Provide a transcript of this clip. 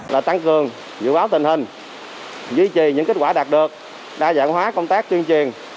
là tăng cường dự báo tình hình duy trì những kết quả đạt được đa dạng hóa công tác tuyên truyền